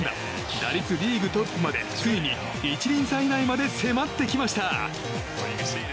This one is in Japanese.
打率リーグトップまでついに１厘差以内まで迫ってきました。